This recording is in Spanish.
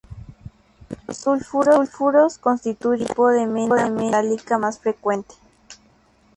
Los sulfuros constituyen el tipo de mena metálica más frecuente.